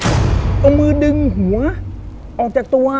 เอามือดึงหัวออกจากตัว